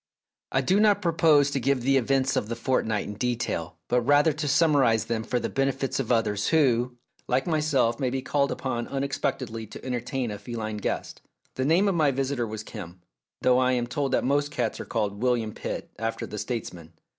I do not propose to give the events of the fortnight in detail, but rather to summarise them for the benefit of others who, like myself, may be called upon unexpectedly to entertain a feline guest. The name of my visitor was Kim, though I am told that most cats are called William Pitt, after the states man.